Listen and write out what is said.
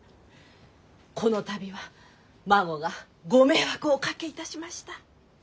この度は孫がご迷惑をおかけいたしました。